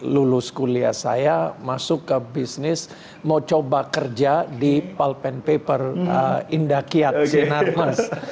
lulus kuliah saya masuk ke bisnis mau coba kerja di pop and paper indakiat sinarmas